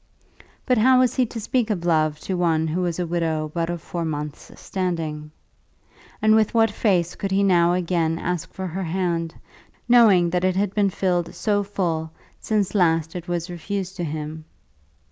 But how was he to speak of love to one who was a widow but of four months' standing? And with what face could he now again ask for her hand, knowing that it had been filled so full since last it was refused to him?